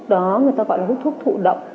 đó người ta gọi là hút thuốc thụ động